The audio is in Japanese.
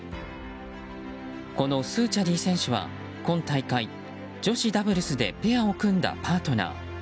このスーチャディ選手は今大会女子ダブルスでペアを組んだパートナー。